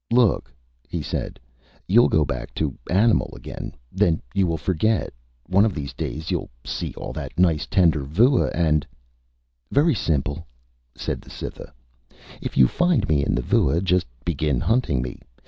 "Look," he said, "you'll go back to animal again. Then you will forget. One of these days, you'll see all that nice, tender vua and " "Very simple," said the Cytha. "If you find me in the vua, just begin hunting me.